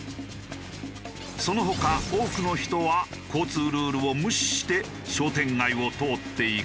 その他多くの人は交通ルールを無視して商店街を通っていくという。